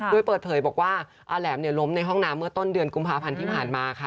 โดยเปิดเผยบอกว่าอาแหลมล้มในห้องน้ำเมื่อต้นเดือนกุมภาพันธ์ที่ผ่านมาค่ะ